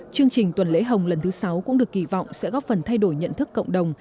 chương trình tuần lễ hồng lần thứ sáu cũng được kỳ vọng sẽ góp phần thay đổi nhận thức cộng đồng